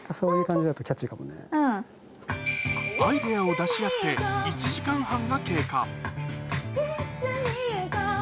アイデアを出し合ってが経過